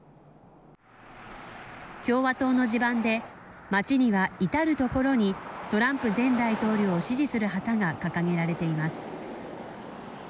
共和党の地盤で街には至る所にトランプ前大統領を支持する旗が掲げられています。